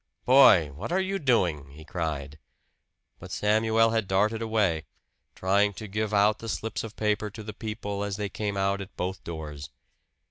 "Boy, what are you doing?" he cried; but Samuel had darted away, trying to give out the slips of paper to the people as they came out at both doors.